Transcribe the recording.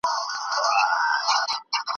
تاسو باید د یو بل په خوښۍ کې شریک شئ.